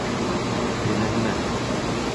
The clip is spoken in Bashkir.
Күп һөйләнмә.